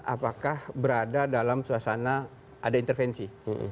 apakah berada dalam suasana ada intervensi